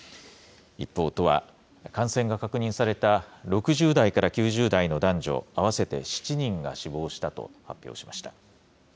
一方、都は感染が確認された６０代から９０代の男女合わせて７人が死亡したと発表しました。